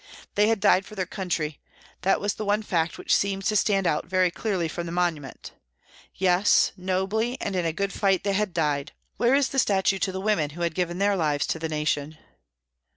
They had died for their country, that was the one fact which seemed to stand out very clearly from the monument. Yes, nobly, and in a good fight, they had died where is the statue NEWCASTLE 211 to the women who had given their lives to the nation